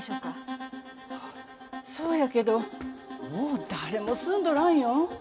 そうやけどもう誰も住んどらんよ。